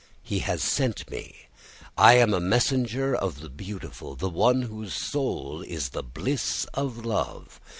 He has sent me. I am a messenger of the beautiful, the one whose soul is the bliss of love.